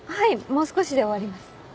もう少しで終わります。